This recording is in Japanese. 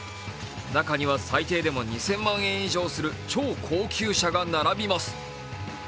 中には、最低でも２０００万円以上する超高級車が並びます。